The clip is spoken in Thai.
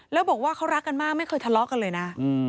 แล้วบอกว่าเขารักกันมากไม่เคยทะเลาะกันเลยนะ